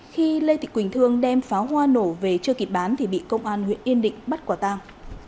khi lê thị quỳnh thương đem pháo hoa nổ về chưa kịp bán thì bị công an huyện yên định bắt quả tang